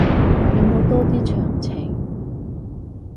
有冇多啲詳情